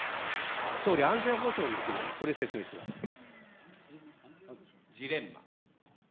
総理、安全保障のジレンマ、これ、説明してください。